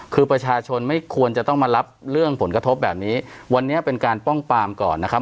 คือประชาชนไม่ควรจะต้องมารับเรื่องผลกระทบแบบนี้วันนี้เป็นการป้องปามก่อนนะครับ